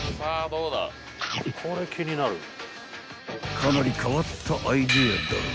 ［かなり変わったアイデアだが］